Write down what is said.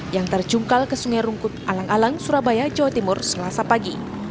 yang terjungkal ke sungai rungkut alang alang surabaya jawa timur selasa pagi